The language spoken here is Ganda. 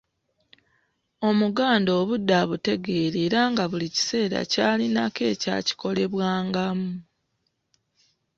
Omuganda obudde abutegeera era nga buli kiseera yalinako ekyakikolebwangamu.